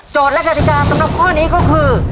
โจทย์และกฎิการสำหรับคู่นี้ก็คือ